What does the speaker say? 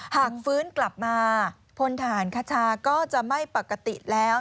หากฟื้นกลับมาพลทหารคชาก็จะไม่ปกติแล้ว